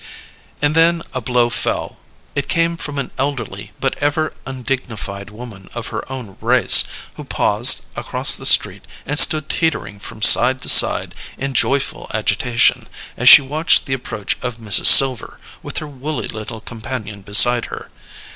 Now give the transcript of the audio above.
And then a blow fell. It came from an elderly but ever undignified woman of her own race, who paused, across the street, and stood teetering from side to side in joyful agitation, as she watched the approach of Mrs. Silver with her woolly little companion beside her.